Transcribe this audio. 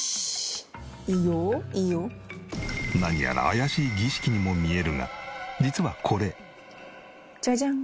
何やら怪しい儀式にも見えるが実はこれ。